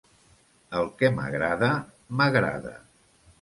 El que m'agrada, m'agrada.